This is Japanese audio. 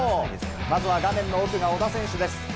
まず画面の奥が小田選手です。